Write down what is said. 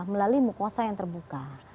melalui mukosa yang terbuka